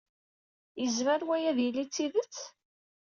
Yezmer waya ad yili d tidet?